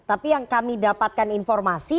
tapi yang kami dapatkan informasi